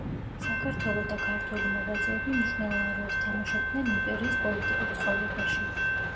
საქართველო და ქართველი მოღვაწეები მნიშვნელოვან როლს თამაშობდნენ იმპერიის პოლიტიკურ ცხოვრებაში.